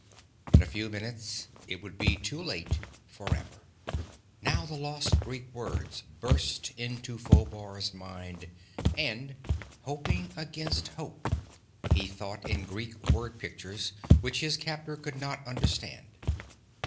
In a few minutes it would be too late forever. Now the lost Greek words burst into Phobar's mind, and, hoping against hope, he thought in Greek word pictures which his captor could not understand.